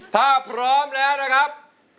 ถ้าพร้อมแล้วนะครับ